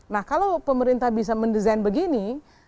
nah kalau pemerintah bisa mendesain begini